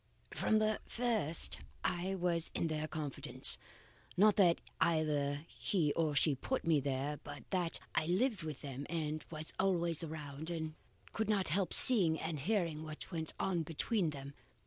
"From the first, I was in their confidence. Not that either he or she put me there, but that I lived with them and was always around, and could not help seeing and hearing what went on between them.